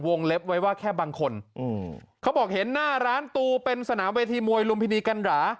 เล็บไว้ว่าแค่บางคนอืมเขาบอกเห็นหน้าร้านตูเป็นสนามเวทีมวยลุมพินีกันหรา